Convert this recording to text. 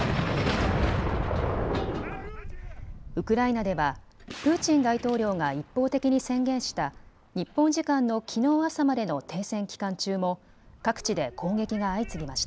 ウクライナではプーチン大統領が一方的に宣言した日本時間のきのう朝までの停戦期間中も各地で攻撃が相次ぎました。